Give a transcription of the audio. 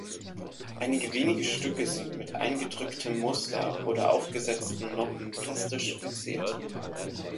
Einige wenige Stücke sind mit eingedrückten Mustern oder aufgesetzten Noppen plastisch verziert.